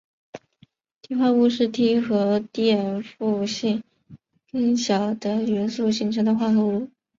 锑化物是锑和电负性更小的元素形成的化合物。